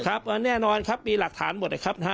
ครับแน่นอนครับมีหลักฐานหมดนะครับนะฮะ